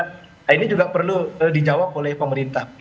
nah ini juga perlu dijawab oleh pemerintah